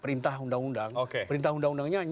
perintah undang undangnya hanya perintah undang undang terkait